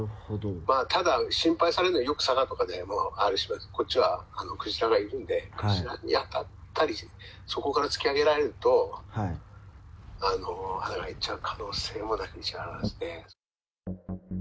ただ、心配されるのは、よくでもあるんですけれども、こっちはクジラがいるんで、クジラに当たったり、底から突き上げられると、穴が開いちゃう可能性もなきにしもあらずですね。